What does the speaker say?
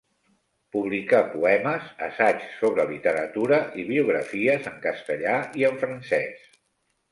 Publicà poemes, assaigs sobre literatura i biografies en castellà i en francés.